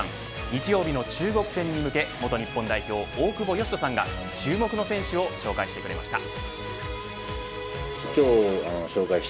日曜日の中国戦に向け元日本代表、大久保嘉人さんが注目の選手を紹介してくれました。